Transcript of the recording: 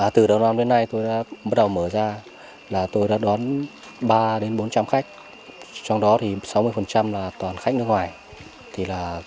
từ đầu năm đến nay tôi đã bắt đầu mở ra là tôi đã đón ba bốn trăm linh khách trong đó sáu mươi là toàn khách nước ngoài